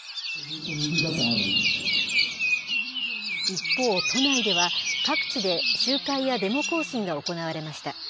一方、都内では各地で集会やデモ行進が行われました。